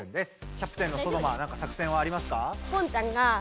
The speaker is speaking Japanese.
キャプテンのソノマ作戦はありますか？